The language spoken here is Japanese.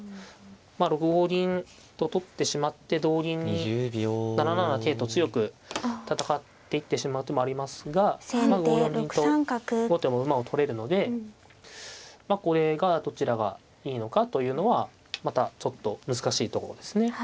まあ６五銀と取ってしまって同銀に７七桂と強く戦っていってしまう手もありますがまあ５四銀と後手も馬を取れるのでまあこれがどちらがいいのかというのはまたちょっと難しいところですね。